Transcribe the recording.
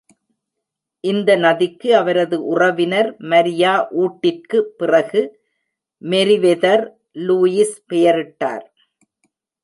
இந்த நதிக்கு அவரது உறவினர் மரியா உட்டிற்கு பிறகு மெரிவெதர் லூயிஸ் பெயரிட்டார்.